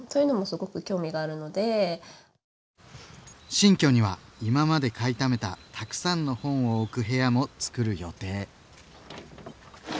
新居には今まで買いためたたくさんの本を置く部屋もつくる予定。